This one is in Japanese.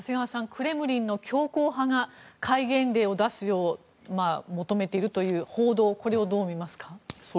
クレムリンの強硬派が戒厳令を出すよう求めているという報道ですがこれをどう見ますか？